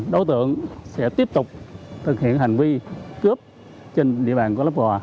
đối tượng sẽ tiếp tục thực hiện hành vi cướp trên địa bàn của lấp vò